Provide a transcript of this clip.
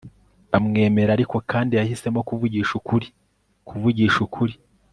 bamwemera. ariko kandi, yahisemo kuvugisha ukuri. kuvugisha ukuri